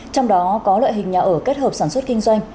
trong đó có loại hình nhà ở kết hợp sản xuất kinh doanh